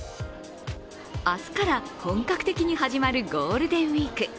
明日から本格的に始まるゴールデンウイーク。